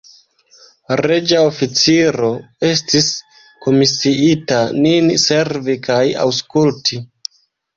Reĝa oficiro estis komisiita nin servi kaj aŭskulti.